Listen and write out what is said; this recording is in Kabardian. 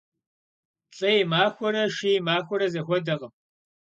ЛӀы и махуэрэ шы и махуэрэ зэхуэдэкъым.